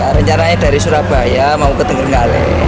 rencananya dari surabaya mau ke tenggaranggale